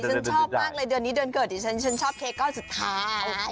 ฉันชอบมากเลยเดือนนี้เดือนเกิดดิฉันฉันชอบเค้กก้อนสุดท้าย